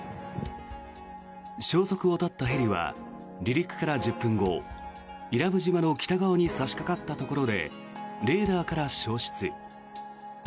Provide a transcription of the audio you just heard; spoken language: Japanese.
消息を絶ったヘリは離陸から１０分後伊良部島の北側に差しかかったところでレーダーから消失。